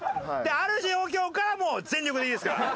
ある状況からもう全力でいいですから。